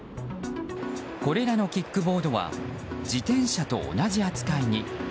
これらのキックボードは自転車と同じ扱いに。